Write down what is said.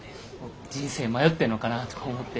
人生迷ってんのかなと思って。